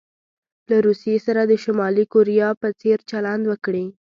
له روسيې سره د شمالي کوریا په څیر چلند وکړي.